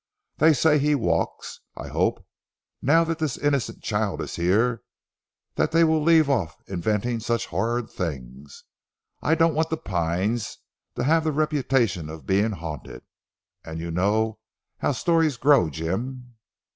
They say he walks. I hope, now that this innocent child is here, that they will leave off inventing such horrid things. I don't want 'The Pines' to have the reputation of being haunted. And you know how stories grow, Jim."